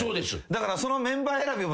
だからそのメンバー選びも必要。